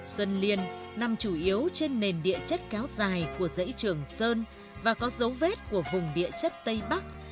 xuân liên nằm chủ yếu trên nền địa chất kéo dài của dãy trường sơn và có dấu vết của vùng địa chất tây bắc